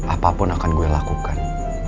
apapun akan gue lakukan